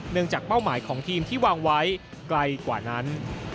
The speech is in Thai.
จากเป้าหมายของทีมที่วางไว้ไกลกว่านั้น